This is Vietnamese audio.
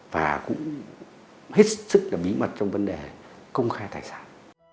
và cũng hết sức là bí mật trong vấn đề công khai tài sản